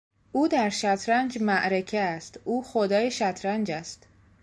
او در شطرنج معرکه است، او خدای شطرنج است.